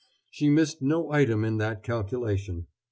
She missed no item in that calculation.